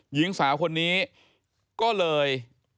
หญิงสาวคนนี้ก็เลย